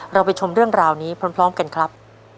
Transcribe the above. เราไปชมเรื่องราวนี้พร้อมกันครับ